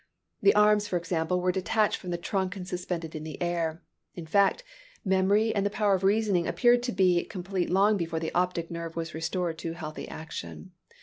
The arms, for example, were detached from the trunk and suspended in the air. In fact, memory and the power of reasoning appeared to be complete long before the optic nerve was restored to healthy action.